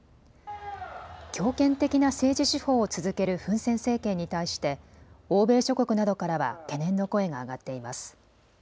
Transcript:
強権的な政治手法を続けるフン・セン政権に対して欧米諸国などからは懸念の声が上がっています。